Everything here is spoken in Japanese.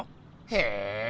へえ！